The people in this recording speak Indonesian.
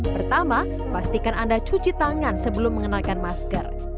pertama pastikan anda cuci tangan sebelum mengenakan masker